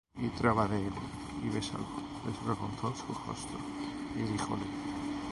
Y traba de él, y bésalo; Desvergonzó su rostro, y díjole: